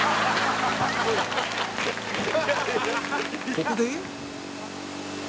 ここで